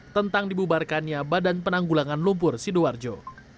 tentang dibubarkannya badan penanggulangan lumpur sidoarjo